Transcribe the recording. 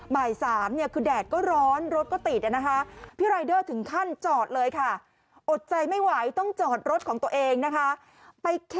บ่ายสามเนี้ยคือแดดก็ร้อนรถก็ตีดเลยนะคะ